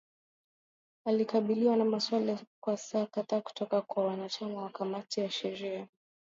alikabiliwa na maswali kwa saa kadhaa kutoka kwa wanachama wa kamati ya sheria